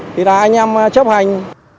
thì là anh em chấp hành